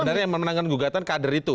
sebenarnya yang memenangkan gugatan kader itu